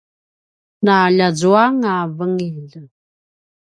nu ljiazuanga vengin